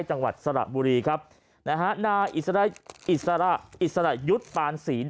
ตากแดดตักล้ม